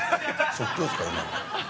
即興っすか、今の。